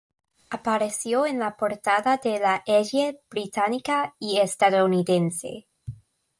Apareció en la portada de la "Elle" británica y estadounidense.